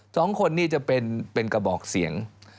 สองคนนี่จะเป็นกระบอกเสียง